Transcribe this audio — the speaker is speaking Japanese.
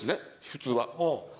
普通は。